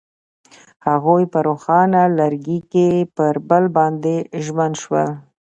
هغوی په روښانه لرګی کې پر بل باندې ژمن شول.